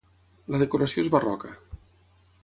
La decoració és barroca.